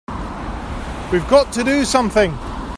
We've got to do something!